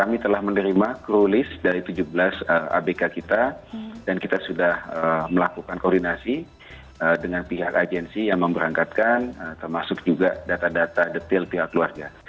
kami telah menerima kru list dari tujuh belas abk kita dan kita sudah melakukan koordinasi dengan pihak agensi yang memberangkatkan termasuk juga data data detail pihak keluarga